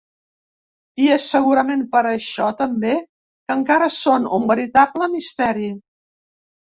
I és, segurament per això també, que encara són un veritable misteri.